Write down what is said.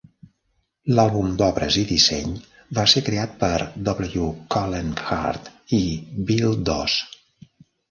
L'àlbum d'obres i disseny va ser creat per W. Cullen Hart i Bill Doss.